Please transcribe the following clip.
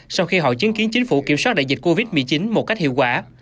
sau khi họ chứng kiến chính phủ kiểm soát đại dịch covid một mươi chín một cách hiệu quả